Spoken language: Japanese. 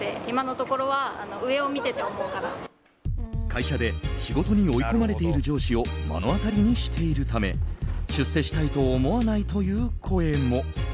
会社で仕事に追い込まれている上司を目の当たりにしているため出世したいと思わないという声も。